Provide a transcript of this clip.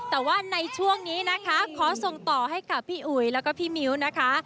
แต่ว่าในช่วงนี้นะคะขอส่งต่อให้กับพี่อุ๋ยแล้วก็พี่มิ้วนะคะ